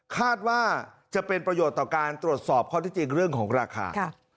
คาดว่าจะเป็นประโยชน์ต่อการตรวจสอบข้อที่จริงเรื่องของราคา